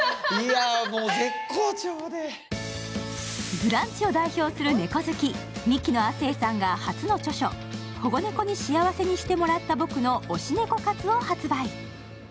ブランチを代表する猫好き、ミキの亜生さんが「保護ネコに幸せにしてもらった僕の推しネコ活」を発売。